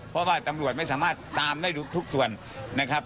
เพราะว่าตำรวจไม่สามารถตามได้ทุกส่วนนะครับ